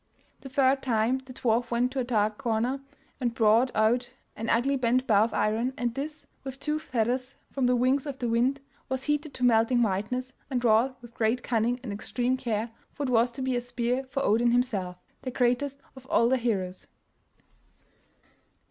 The third time the dwarf went to a dark corner, and brought out an ugly bent bar of iron, and this, with two feathers from the wings of the wind, was heated to melting whiteness, and wrought with great cunning and extreme care, for it was to be a spear for Odin himself, the greatest of all the heroes.